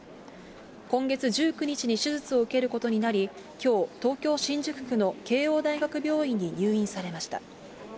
今月１９日に手術を受けることになり、きょう、東京・新宿区の慶応大学病院に入院されました。